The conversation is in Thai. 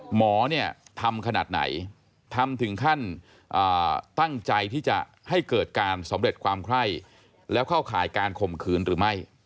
หมอเนี่ยทำขนาดไหนทำถึงขั้นตั้งใจที่จะให้เกิดการสำเร็จความไข้แล้วเข้าข่ายการข่มขืนหรือไม่